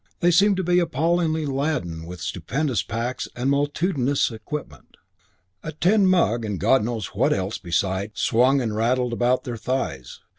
They seemed to be appallingly laden with stupendous packs and multitudinous equipment. A tin mug and God knows what else beside swung and rattled about their thighs.